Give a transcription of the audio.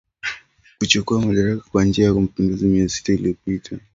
kuchukua madaraka kwa njia ya mapinduzi miezi sita iliyopita